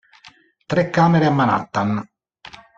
Tre camere a Manhattan